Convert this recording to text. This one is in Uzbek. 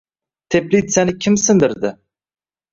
Teplitsani kim sindirdi?